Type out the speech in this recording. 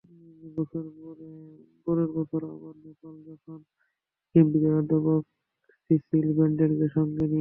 পরের বছর আবার নেপাল যান কেমব্রিজের অধ্যাপক সিসিল বেন্ডলকে সঙ্গে নিয়ে।